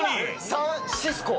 サンシスコ？